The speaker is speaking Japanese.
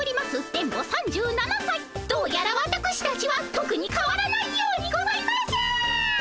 どうやらわたくしたちはとくにかわらないようにございます！